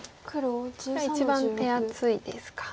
これは一番手厚いですか。